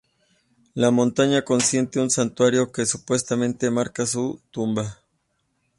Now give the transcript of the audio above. La montaña contiene un santuario que supuestamente marca su tumba.